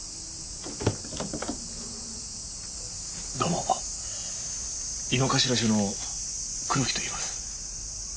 どうも井の頭署の黒木といいます。